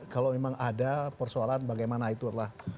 kalau memang ada persoalan bagaimana itulah